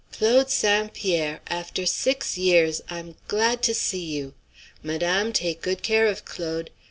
"Claude St. Pierre, after six years, I'm glad to see you. Madame, take good care of Claude.